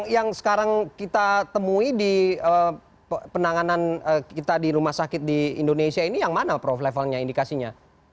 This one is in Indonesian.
yang sekarang kita temui di penanganan kita di rumah sakit di indonesia ini yang mana prof levelnya indikasinya